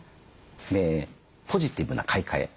でポジティブな買い替え